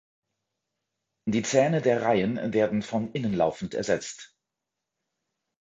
Die Zähne der Reihen werden von innen laufend ersetzt.